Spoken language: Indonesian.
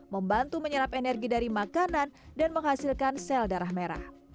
membantu menyerap energi dari makanan dan menghasilkan sel darah merah